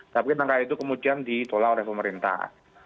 tapi langkah itu kemudian ditolak oleh pemerintah